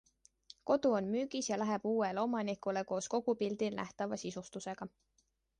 Kodu on müügis ja läheb uuele omanikule koos kogu pildil nähtava sisustusega.